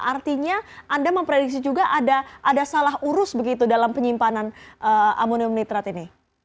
artinya anda memprediksi juga ada salah urus begitu dalam penyimpanan amonium nitrat ini